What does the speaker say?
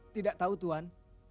tidak tahu tuan